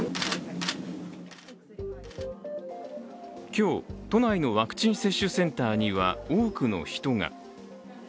今日、都内のワクチン接種センターには多くの人が。